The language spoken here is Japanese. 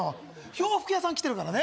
洋服屋さん来てるからね